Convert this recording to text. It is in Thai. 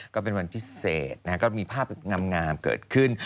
ก็เป็นวันพิเศษก็มีภาพงามเกิดขึ้น